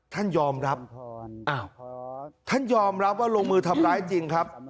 ท่านยอมรับท่านยอมรับว่าลงมือทำร้ายจริงครับ